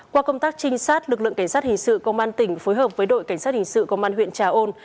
qua công tác trinh sát lực lượng cảnh sát hình sự công an tỉnh phối hợp với đội cảnh sát hình sự công an huyện trà ôn